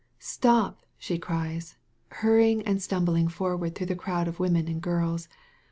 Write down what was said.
"Stop!" she cries, hunying and stumbling for ward through the crowd of women and girls.